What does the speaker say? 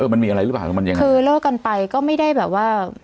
มันมีอะไรหรือเปล่าหรือมันยังไงคือเลิกกันไปก็ไม่ได้แบบว่า